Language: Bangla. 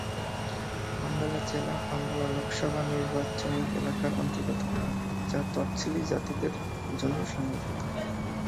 আম্বালা জেলা আম্বালা লোকসভা নির্বাচনী এলাকার অন্তর্গত, যা তফসিলি জাতিদের জন্য সংরক্ষিত।